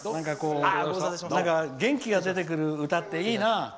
何か元気が出てくる歌っていいな。